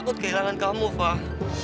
aku takut kehilangan kamu fah